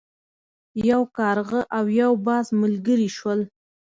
یو کارغه او یو باز ملګري شول.